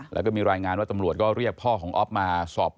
และก็จะรับความจริงของตัวเอง